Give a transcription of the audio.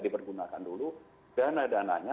dipergunakan dulu dana dananya